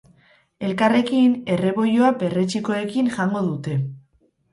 Elkarrekin, erreboiloa perretxikoekin jango dute.